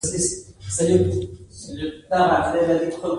زه یو افغان یم